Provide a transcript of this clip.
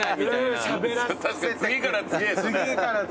確かに次から次へとね。